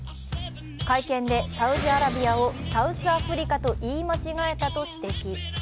会見でサウジアラビアをサウスアフリカ言い間違えたと指摘。